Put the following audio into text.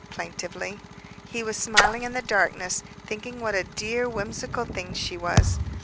plaintively. He was smiling in the darkness, thinking what a dear, whimsical thing she was.